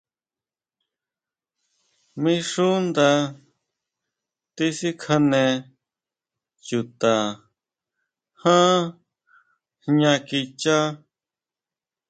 Mí xú nda tisikjane chuta ján jña kichá.